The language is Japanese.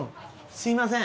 すみません。